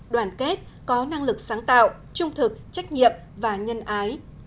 đoàn kết có năng lực sáng tạo trung thực trách nhiệm và nhân ái